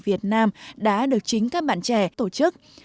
việt nam đã được chính các bạn trẻ tổ chức